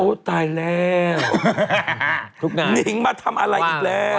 ตายแล้วนิงมาทำอะไรอีกแล้ว